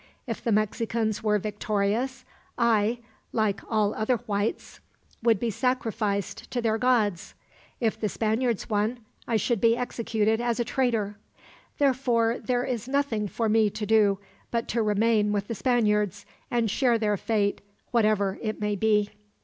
If the Mexicans were victorious, I, like all other whites, would be sacrificed to their gods. If the Spaniards won, I should be executed as a traitor. Therefore, there is nothing for me to do but to remain with the Spaniards, and share their fate, whatever it may be."